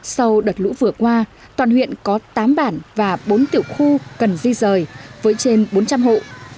sau đợt lũ vừa qua toàn huyện có tám bản và bốn tiểu khu cần di rời với trên bốn trăm linh hộ